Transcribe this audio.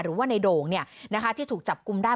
หรือว่าในโด่งที่ถูกจับกลุ่มได้